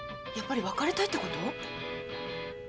やっぱり別れたいってこと？